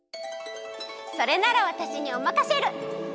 それならわたしにおまかシェル。